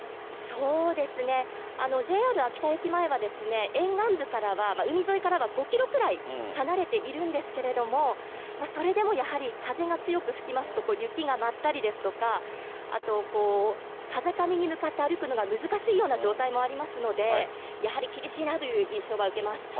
そうですね、ＪＲ秋田駅前は、沿岸部からは海沿いからは５キロぐらい離れているんですけれども、それでもやはり風が強く吹きますと、雪が舞ったりですとか、あと風上に向かって歩くのが難しいような状態もありますので、やはり厳しいなあという印象は受けます。